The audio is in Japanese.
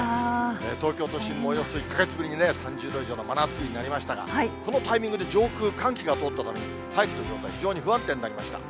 東京都心もおよそ１か月ぶりに３０度以上の真夏日になりましたが、このタイミングで上空、寒気が通ったために、大気の状態、非常に不安定になりました。